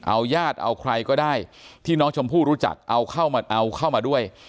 เอาญาติเอาใครก็ได้ที่น้องชมพู่รู้จักเอาเข้ามาเอาเข้ามาด้วย